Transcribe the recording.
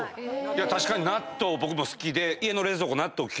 確かに納豆僕も好きで家の。